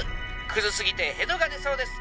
「クズすぎてへどが出そうです。